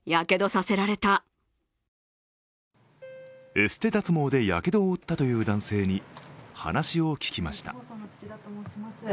エステ脱毛でやけどを負ったという男性に話を聞きました。